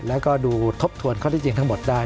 แล้วก็ดูทบทวนข้อที่จริงทั้งหมดได้